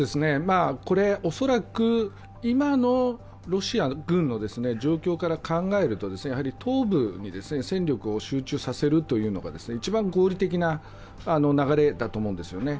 これ恐らく、今のロシア軍の状況から考えると東部に戦力を集中させるというのが一番合理的な流れだと思うんですね。